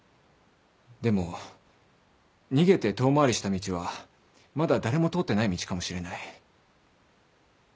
でも逃げて遠回りした道はまだ誰も通ってない道かもしれない。